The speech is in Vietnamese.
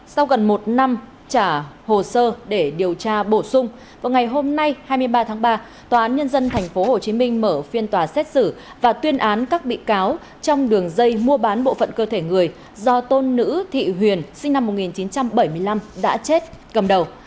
sau gần một năm trả hồ sơ để điều tra bổ sung vào ngày hôm nay hai mươi ba tháng ba tòa án nhân dân tp hcm mở phiên tòa xét xử và tuyên án các bị cáo trong đường dây mua bán bộ phận cơ thể người do tôn nữ thị huyền sinh năm một nghìn chín trăm bảy mươi năm đã chết cầm đầu